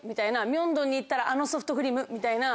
明洞に行ったらあのソフトクリームみたいな。